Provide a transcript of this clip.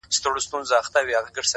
پوهه د انسان لید ژوروي.!